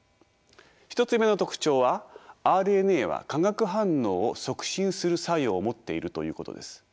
１つ目の特徴はＲＮＡは化学反応を促進する作用を持っているということです。